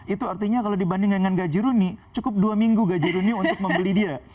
itu artinya kalau dibandingkan dengan gajiruni cukup dua minggu gajiruni untuk membeli dia